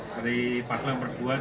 dari pasal yang berbuat